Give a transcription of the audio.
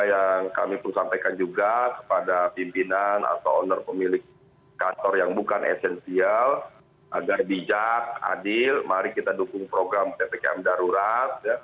yang kami perlu sampaikan juga kepada pimpinan atau owner pemilik kantor yang bukan esensial agar bijak adil mari kita dukung program ppkm darurat